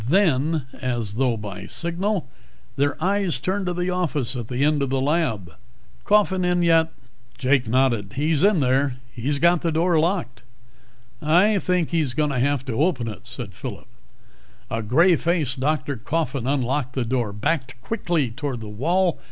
Then, as though by signal, their eyes turned to the office at the end of the lab. "Coffin come in yet?" Jake nodded. "He's in there. He's got the door locked." "I think he's going to have to open it," said Phillip. A gray faced Dr. Coffin unlocked the door, backed quickly toward the wall.